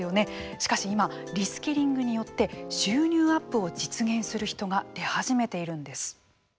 しかし今、リスキリングによって収入アップを実現する人が出始めているんです。